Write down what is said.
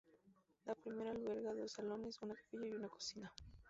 La primera alberga dos salones, una capilla y una cocina.